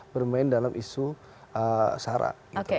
bermain dalam isu sarah